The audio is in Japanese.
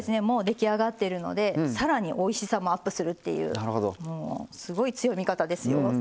もう出来上がってるのでさらにおいしさもアップするっていうもうすごい強い味方ですよ。